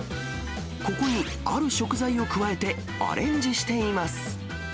ここにある食材を加えて、アレンジしています。